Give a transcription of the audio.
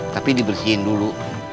tapi dibersihin dulu